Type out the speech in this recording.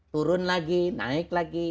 turun lagi naik lagi